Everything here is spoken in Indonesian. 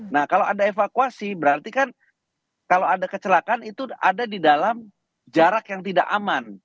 nah kalau ada evakuasi berarti kan kalau ada kecelakaan itu ada di dalam jarak yang tidak aman